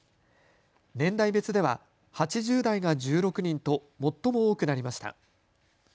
年代別では８０代が１６人と最も多くなりました。